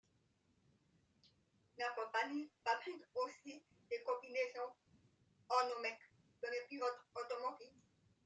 La compagnie fabrique aussi des combinaisons en Nomex pour les pilotes automobiles.